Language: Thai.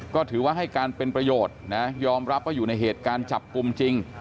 ก็ถือว่าให้การเป็นประโยชน์นะยอมรับว่าอยู่ในเหตุการณ์จับกลุ่มจริง